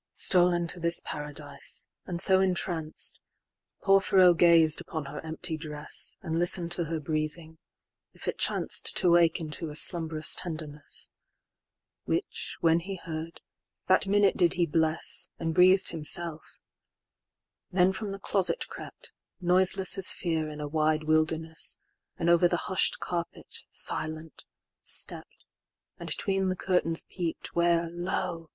XXVIII.Stol'n to this paradise, and so entranced, Porphyro gazed upon her empty dress, And listen'd to her breathing, if it chancedTo wake into a slumberous tenderness; Which when he heard, that minute did he bless, And breath'd himself: then from the closet crept, Noiseless as fear in a wide wilderness, And over the hush'd carpet, silent, stept, And 'tween the curtains peep'd, where, lo!